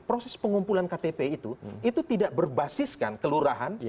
proses pengumpulan ktp itu itu tidak berbasiskan kelurahan